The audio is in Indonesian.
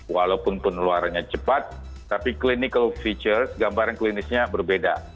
walaupun penularannya cepat tapi clinical features gambaran klinisnya berbeda